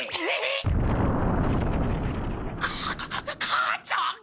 母ちゃん！